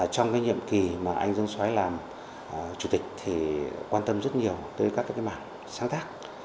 trong nhiệm kỳ mà anh dương xoái làm chủ tịch thì quan tâm rất nhiều tới các mạng sáng tác